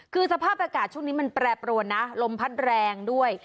คือสภาพอากาศช่วงนี้มันแปรปรวนนะลมพัดแรงด้วย